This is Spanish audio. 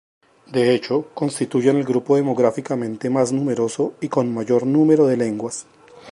De hecho constituyen el grupo demográficamente más numeroso y con mayor número de lenguas.